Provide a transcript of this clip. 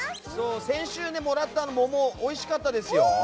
先週もらった桃おいしかったですよ。